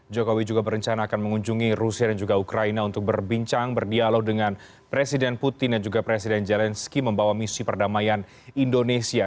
jokowi juga berencana akan mengunjungi rusia dan juga ukraina untuk berbincang berdialog dengan presiden putin dan juga presiden zelensky membawa misi perdamaian indonesia